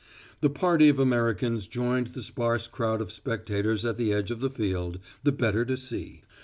The party of Americans joined the sparse crowd of spectators at the edge of the field, the better to see.